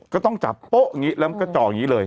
ก็ต้องจับโป๊ะอย่างนี้แล้วก็จ่ออย่างนี้เลย